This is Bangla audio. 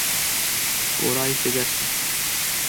ওরা এসে গেছে!